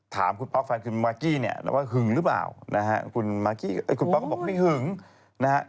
ถามคุณป๊อกแฟนคุณมากกี้เนี่ยนะว่าหึงหรือเปล่านะฮะคุณมากกี้คุณป๊อกก็บอกไม่หึงนะฮะ